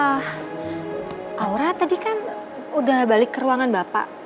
aura tadi kan udah balik ke ruangan bapak